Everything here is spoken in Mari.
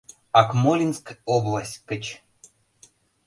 — Акмолинск область гыч.